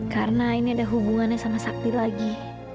karena ini ada hubungannya sama sakti lagi